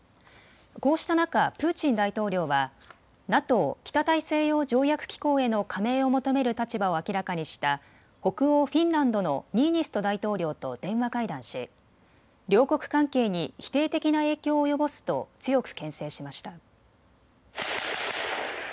こうした中、プーチン大統領はＮＡＴＯ・北大西洋条約機構への加盟を求める立場を明らかにした北欧フィンランドのニーニスト大統領と電話会談し両国関係に否定的な影響を及ぼすと強くけん制しました。